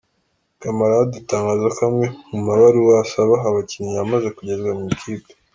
Camarade atangaza ko amwe mu mabaruwa asaba abakinnyi yamaze kugezwa mu ikipe.